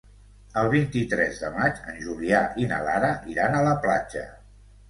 El vint-i-tres de maig en Julià i na Lara iran a la platja.